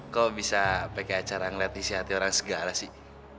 kok bisa pakai acara ngeliat isi hati orang segala sih